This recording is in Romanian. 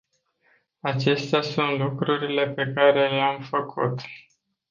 Acestea sunt lucrurile pe care le-am făcut.